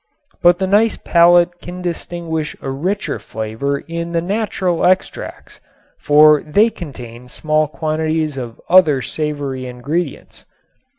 But the nice palate can distinguish a richer flavor in the natural extracts, for they contain small quantities of other savory ingredients.